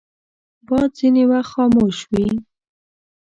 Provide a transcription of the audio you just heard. باد ځینې وخت خاموش وي